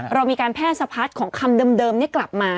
เรามีการแพร่สะพัดของคำเดิมนี้กลับมา